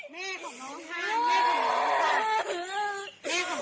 ไม่เอา